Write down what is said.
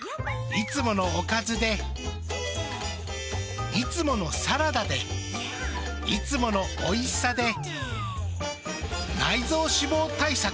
いつものおかずでいつものサラダでいつものおいしさで内臓脂肪対策。